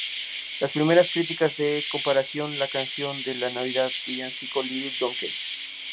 Las primeras críticas compararon la canción a la navidad villancico "Little Donkey".